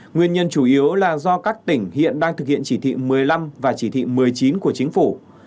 nguyên nhân chủ yếu là do các tỉnh hiện đang thực hiện chỉ thị một mươi năm và chỉ thị một mươi chín của chính phủ